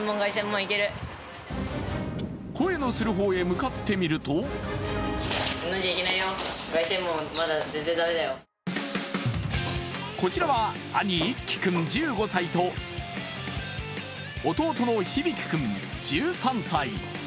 声のする方へ向かってみるとこちらは、兄・一輝君１５歳と弟の響主君１３歳。